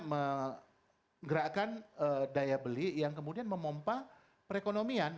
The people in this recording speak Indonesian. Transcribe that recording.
menggerakkan daya beli yang kemudian memompa perekonomian